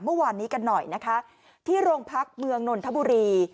เมื่อวานนี้กันหน่อยนะคะที่โรงพักเมืองนนทบุรี